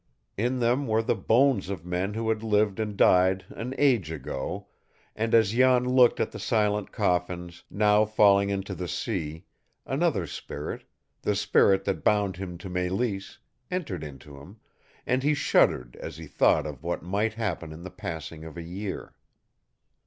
In them were the bones of men who had lived and died an age ago; and as Jan looked at the silent coffins, now falling into the sea, another spirit the spirit that bound him to Mélisse entered into him, and he shuddered as he thought of what might happen in the passing of a year.